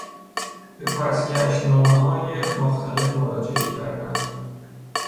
به پسگشتنامههای مختلف مراجعه کردن